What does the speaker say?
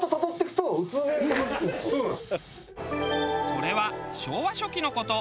それは昭和初期の事。